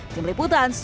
tim liputan cnn indonesia